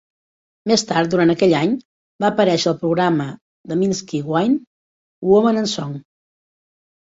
Més tard durant aquell any, va aparèixer al programa de Minsky Wine, Women and Song.